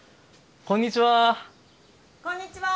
こんにちは！